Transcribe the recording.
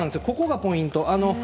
ここがポイント。